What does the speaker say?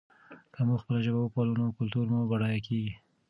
که موږ خپله ژبه وپالو نو کلتور مو بډایه کېږي.